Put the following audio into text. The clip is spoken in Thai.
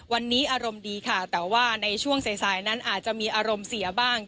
วันนี้อารมณ์ดีค่ะแต่ว่าในช่วงสายนั้นอาจจะมีอารมณ์เสียบ้าง